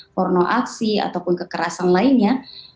porno aksi ataupun kekerasan lainnya